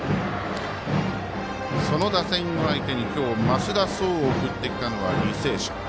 その打線を相手に今日増田壮を送ってきたのは履正社。